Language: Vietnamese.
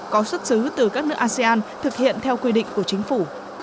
có xuất xứ từ các nước asean thực hiện theo quy định của chính phủ